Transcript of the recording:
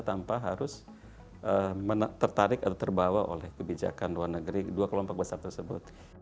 tanpa harus tertarik atau terbawa oleh kebijakan luar negeri dua kelompok besar tersebut